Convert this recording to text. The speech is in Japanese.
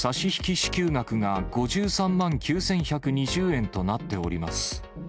支給額が５３万９１２０円となっております。